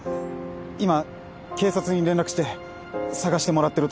今警察に連絡して捜してもらってるところなんです。